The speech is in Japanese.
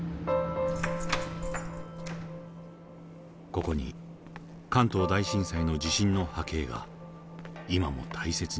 ここに関東大震災の地震の波形が今も大切に保管されています。